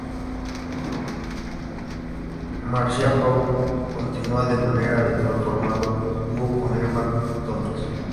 Marcia Ball continúa, de manera habitual formando dúo con Irma Thomas.